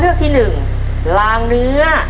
เลือกที่๑ลางเนื้อ